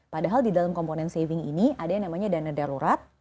padahal di dalam komponen saving ini ada yang namanya dana darurat